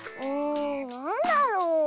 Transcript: なんだろう？